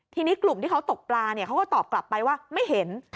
ทีนี้กลุ่มที่เขาตกปลาเขาก็ตอบกลับไปว่าไม่เห็น